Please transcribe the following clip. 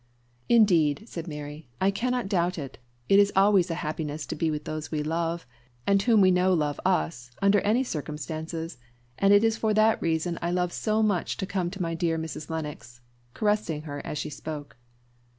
"Indeed," said Mary, "I cannot doubt it. It is always a happiness to be with those we love, and whom we know love us, under any circumstances; and it is for that reason I love so much to come to my dear Mrs. Lennox," caressing her as she spoke.